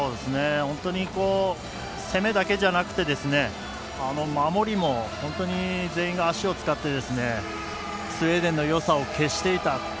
本当に攻めだけじゃなくて守りも、本当に全員が足を使ってスウェーデンのよさを消していた。